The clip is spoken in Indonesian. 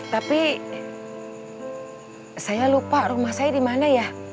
tapi saya lupa rumah saya dimana ya